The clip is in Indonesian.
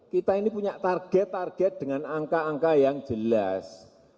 kita ini punya target target dengan angka angka yang jelas